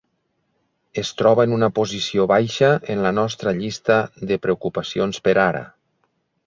Es troba en una posició baixa en la nostra llista de preocupacions per ara.